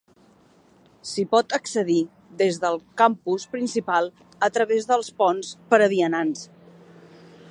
S'hi pot accedir des del campus principal a través dels ponts per a vianants.